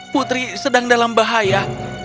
putri sedang dalam bahaya